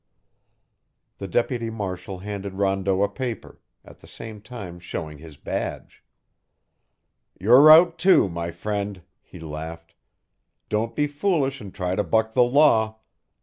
The deputy marshal handed Rondeau a paper, at the same time showing his badge. "You're out, too, my friend," he laughed. "Don't be foolish and try to buck the law.